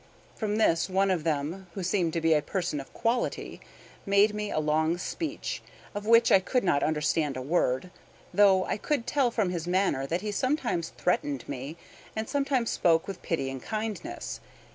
From this, one of them, who seemed to be a person of quality, made me a long speech, of which I could not understand a word, though I could tell from his manner that he sometimes threatened me, and sometimes spoke with pity and kindness.